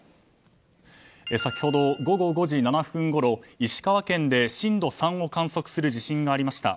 先ほど午後５時７分ほど石川県で震度３を観測する地震がありました。